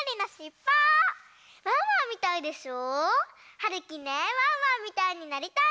はるきねワンワンみたいになりたいの！